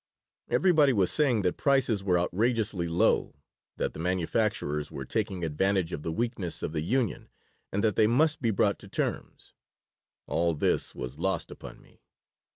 Everybody was saying that prices were outrageously low, that the manufacturers were taking advantage of the weakness of the union, and that they must be brought to terms. All this was lost upon me.